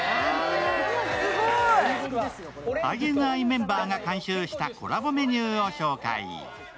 ＩＮＩメンバーが監修したコラボメニューを紹介。